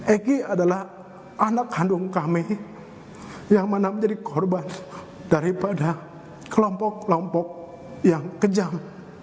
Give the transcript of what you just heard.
egy adalah anak kandung kami yang mana menjadi korban daripada kelompok kelompok yang kejam